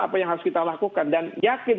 apa yang harus kita lakukan dan yakin